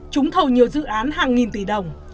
chúng thầu nhiều dự án hàng nghìn tỷ đồng